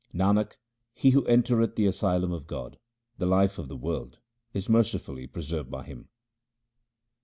Nanak, he who entereth the asylum of God, the life of the world, is mercifully preserved by Him.